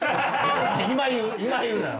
今言うなよ。